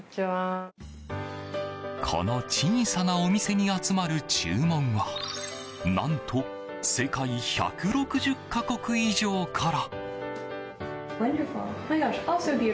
この小さなお店に集まる注文は何と世界１６０か国以上から。